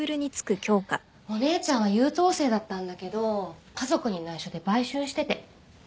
お姉ちゃんは優等生だったんだけど家族に内緒で売春してて。